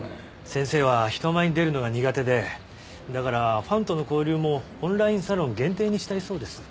先生は人前に出るのが苦手でだからファンとの交流もオンラインサロン限定にしたいそうです。